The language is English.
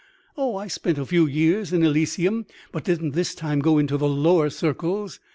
"Oh, I spent a few years in Elysium, but didn't this time go into the lower circles.